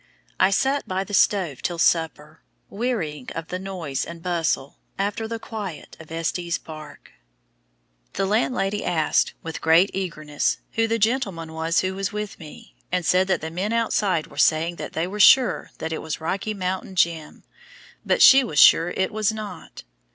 I sat by the stove till supper, wearying of the noise and bustle after the quiet of Estes Park. The landlady asked, with great eagerness, who the gentleman was who was with me, and said that the men outside were saying that they were sure that it was "Rocky Mountain Jim," but she was sure it was not.